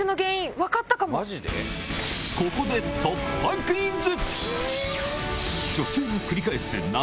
ここで突破クイズ！